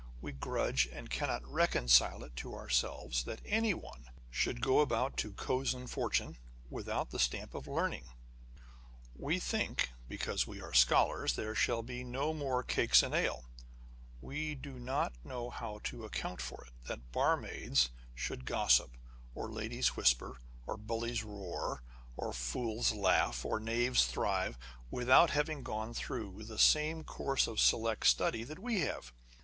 We grudge, and cannot reconcile it to ourselves, that anyone " should go about to cozen fortune, without the stamp of learning !" We think " because we are scholars, there shall be no more cakes and ale !" We don't know how to account for it, that barmaids shoiild gossip, or ladies whisper, or bullies roar, or fools laugh, or knaves thrive, without having gone through the same course of select study that we have